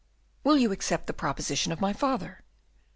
"Will you accept the proposition of my father?"